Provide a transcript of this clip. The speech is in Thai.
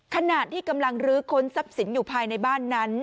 ขนาดที่กำลังลื้อคนซับสินอยู่ภายในบ้านนั้น